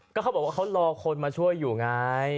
ก็เขาบอกว่าเขารอคนมาช่วยอยู่ไง